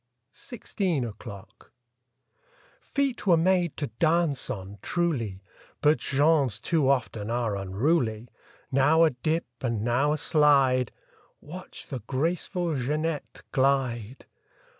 37 i FIFTEEN O'CLOCK 39 SIXTEEN O'CLOCK F eet were made to dance on, truly; But Jean's too often are unruly. Now a dip and now a slide— Watch the graceful Jeanette glide!